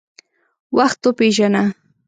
وخت وپیژنه.